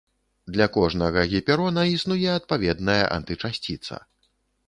Для кожнага гіперона існуе адпаведная антычасціца.